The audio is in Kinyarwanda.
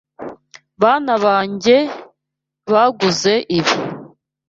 Bana banjye banguze ibi.